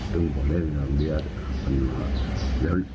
ถึงพอเล่นกับเบียร์